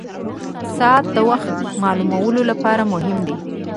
ساعت د وخت معلومولو لپاره مهم ده.